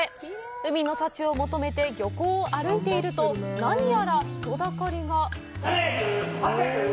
海の幸を求めて漁港を歩いていると何やら人だかりが！